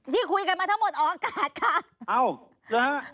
ที่คุยกันมาทั้งหมดออกอากาศค่ะ